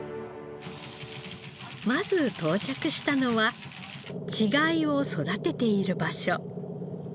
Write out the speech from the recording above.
まず到着したのは稚貝を育てている場所。